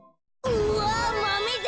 うわマメだ！